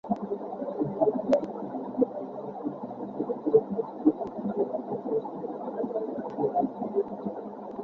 একজন back-end web developer dynamic web পৃষ্ঠা তৈরীর কলাকৌশল সম্পর্কে গভীর জ্ঞান থাকে।